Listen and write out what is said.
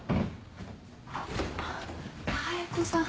妙子さん